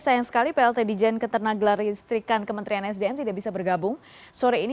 sayang sekali plt dijen ketenagelar listrikan kementerian sdm tidak bisa bergabung sore ini